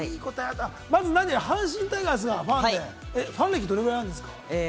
まず阪神タイガースのアレ、ファン歴、どれぐらいなんですか？